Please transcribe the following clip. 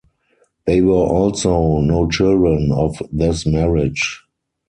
There were also no children of this marriage.